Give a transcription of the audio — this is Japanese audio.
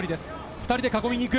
２人で囲みに行く。